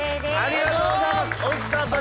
ありがとうございます。